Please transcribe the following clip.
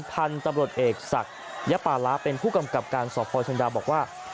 พันธุ์ตำรวจเอกศักดิยปาระเป็นผู้กำกับการสพชนดาบอกว่า